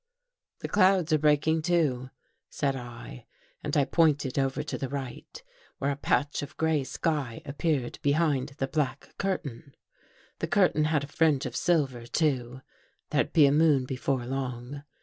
■" The clouds are breaking, too," said I, and I | pointed over to the right where a patch of gray sky i appeared behind the black curtain. The curtain j had a fringe of silver, too. There'd be a moon [ before long.